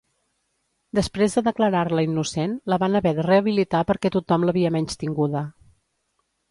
Després de declarar-la innocent, la van haver de rehabilitar perquè tothom l'havia menystinguda.